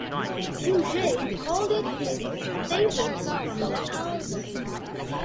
Puget called it his favorite from the album.